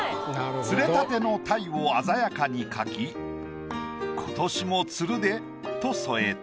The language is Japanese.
釣れたての鯛を鮮やかに描き「今年も釣るで。」と添えた。